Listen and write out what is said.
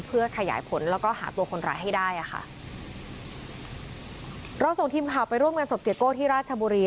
เพื่อขยายผลแล้วก็หาตัวคนร้ายให้ได้อ่ะค่ะเราส่งทีมข่าวไปร่วมงานศพเสียโก้ที่ราชบุรี